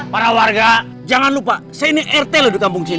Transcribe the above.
para warga jangan lupa saya ini rt loh di kampung sini